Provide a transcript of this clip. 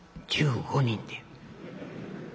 「１５人で」。